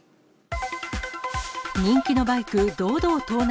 人気のバイク、堂々盗難。